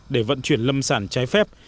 để vận chuyển lâm sản trái phép